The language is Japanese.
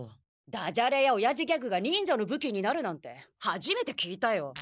ダジャレやおやじギャグが忍者の武器になるなんて初めて聞いたよ。